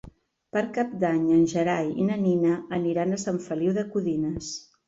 Per Cap d'Any en Gerai i na Nina aniran a Sant Feliu de Codines.